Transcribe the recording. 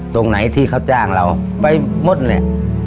ตรงไหนที่เขาจ้างเราไปหมดเลย